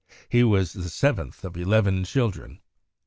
He was the seventh of eleven children.